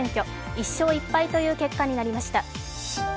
１勝１敗という結果になりました。